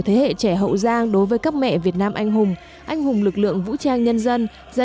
thế hệ trẻ hậu giang đối với các mẹ việt nam anh hùng anh hùng lực lượng vũ trang nhân dân gia